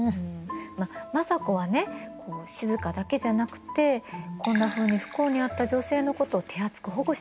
まあ政子はね静だけじゃなくてこんなふうに不幸にあった女性のことを手厚く保護してたの。